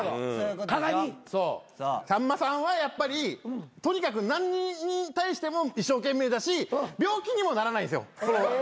さんまさんはやっぱりとにかく何に対しても一生懸命だし病気にもならないんですよ。